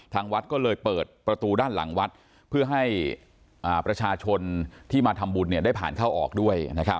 ทางวัดก็เลยเปิดประตูด้านหลังวัดเพื่อให้ประชาชนที่มาทำบุญได้ผ่านเข้าออกด้วย